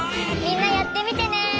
みんなやってみてね！